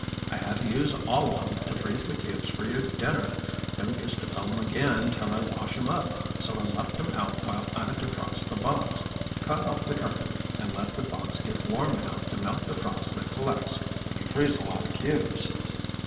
"I had to use all of 'em to freeze the cubes for your dinner. No use to fill 'em again till I wash 'em up, so I left 'em out while I 'defrost' the box—cut off the current and let the box get warm enough to melt the frost that collects when you freeze a lot of cubes."